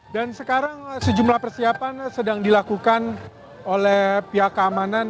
dan sekarang sejumlah persiapan sedang dilakukan oleh pihak keamanan